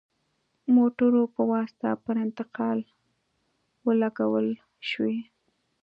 موټرو په واسطه پر انتقال ولګول شوې.